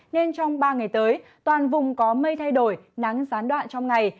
nên trong ba ngày tới toàn vùng có mây thay đổi nắng gián đoạn trong ngày